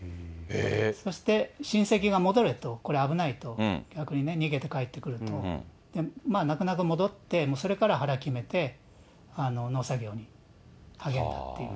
そして、親戚が戻れと、これ危ないと、逆に逃げて帰ってくると、泣く泣く戻って、それから腹決めて、農作業に励んだっていう。